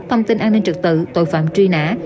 thông tin an ninh trực tự tội phạm truy nã